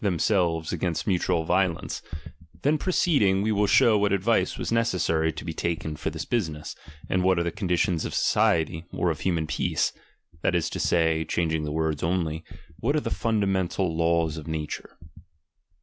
themselves against mutual ^dolence ; then proceed ''' ing, we will shew what advice was necessary to be taken for this business, and what are the condi tions of society, or of human peace ; that is to say, (changing the words only), what are the fundamental laws of nature.